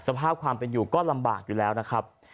สภาพความเป็นอยู่ก็ลำบากอยู่แล้วนะครับ